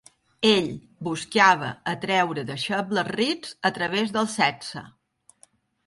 Ell buscava atreure deixebles rics a través de sexe.